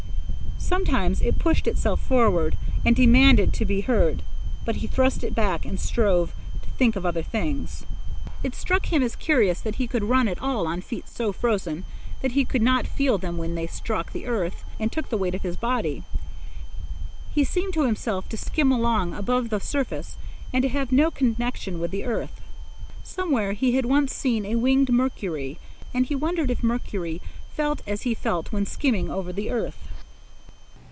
Sometimes it pushed itself forward and demanded to be heard, but he thrust it back and strove to think of other things. It struck him as curious that he could run at all on feet so frozen that he could not feel them when they struck the earth and took the weight of his body. He seemed to himself to skim along above the surface and to have no connection with the earth. Somewhere he had once seen a winged Mercury, and he wondered if Mercury felt as he felt when skimming over the earth.